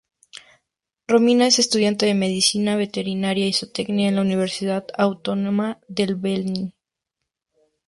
Romina es estudiante de Medicina Veterinaria y Zootecnia en la Universidad Autónoma del Beni.